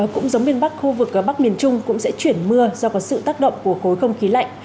cũng giống miền bắc khu vực bắc miền trung cũng sẽ chuyển mưa do có sự tác động của khối không khí lạnh